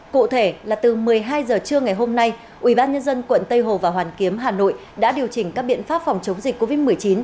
cụ thể là từ một mươi hai h trưa ngày hôm nay ubnd quận tây hồ và hoàn kiếm hà nội đã điều chỉnh các biện pháp phòng chống dịch covid một mươi chín